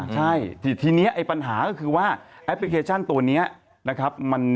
ใช่ทีนี้ไอ้ปัญหาก็คือว่าแอปพลิเคชันตัวนี้นะครับ